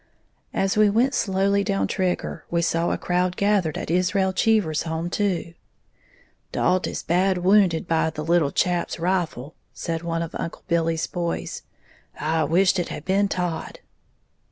As we went slowly down Trigger, we saw a crowd gathered at Israel Cheever's home, too. "Dalt is bad wounded by the little chap's rifle," said one of "Uncle Billy's boys", "I wisht it had been Todd."